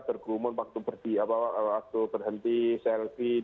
bergurumun waktu berhenti selfie